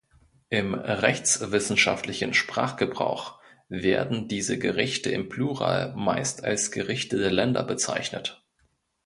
Im rechtswissenschaftlichen Sprachgebrauch werden diese Gerichte im Plural meist als Gerichte der Länder bezeichnet.